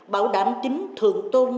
bảo đảm tính thường tôn